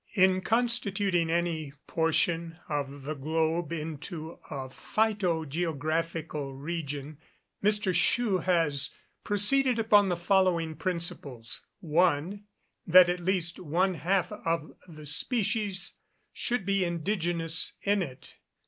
In constituting any portion of the globe into a phyto geographical region, M. Schouw has proceeded upon the following principles: 1. That at least one half of the species should be indigenous in it.